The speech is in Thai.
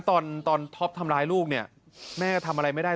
ตอนท็อปทำร้ายลูกเนี่ยแม่ทำอะไรไม่ได้